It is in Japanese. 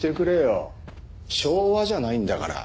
昭和じゃないんだから。